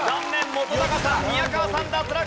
本さん宮川さん脱落！